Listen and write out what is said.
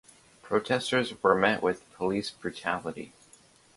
Protesters were met with police brutality.